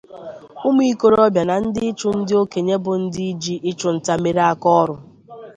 Ụmụ ikorobia na ndị Ịchụ ndị okenye bụ ndị ji ịchụ nta mere aka ọrụ.